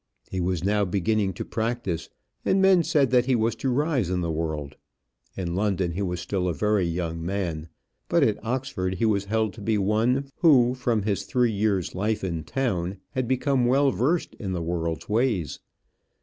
He was now beginning to practise, and men said that he was to rise in the world. In London he was still a very young man; but at Oxford he was held to be one who, from his three years' life in town, had become well versed in the world's ways.